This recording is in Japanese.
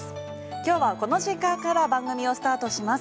今日はこの時間から番組をスタートします。